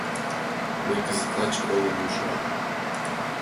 Мый кызыт лач омым ужынам...